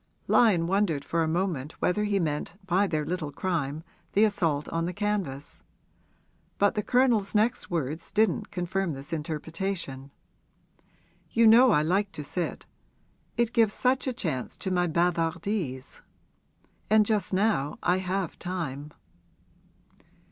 Lyon wondered for a moment whether he meant by their little crime the assault on the canvas; but the Colonel's next words didn't confirm this interpretation. 'You know I like to sit it gives such a chance to my bavardise. And just now I have time.'